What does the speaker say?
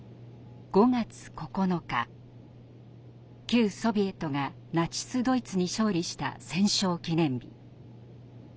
旧ソビエトがナチス・ドイツに勝利した戦勝記念日。